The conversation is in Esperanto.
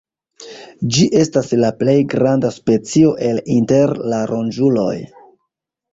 Ĝi estas la plej granda specio el inter la ronĝuloj.